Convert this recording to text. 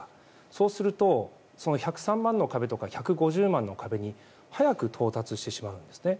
そうすると、１０３万の壁とか１５０万の壁に早く到達してしまうんですね。